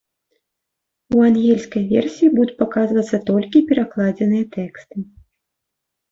У ангельскай версіі будуць паказвацца толькі перакладзеныя тэксты.